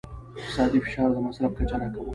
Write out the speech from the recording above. اقتصادي فشار د مصرف کچه راکموي.